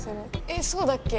えっそうだっけ？